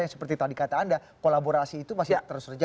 yang seperti tadi kata anda kolaborasi itu masih terus terjadi